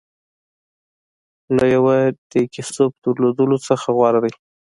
له یوه ډېګي سوپ درلودلو څخه غوره دی.